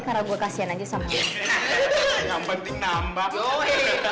karena gue kasihan aja sampai nambah